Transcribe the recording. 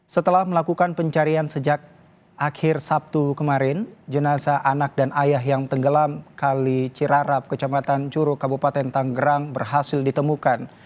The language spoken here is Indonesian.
setelah melakukan pencarian sejak akhir sabtu kemarin jenazah anak dan ayah yang tenggelam kali cirarap kecamatan curug kabupaten tanggerang berhasil ditemukan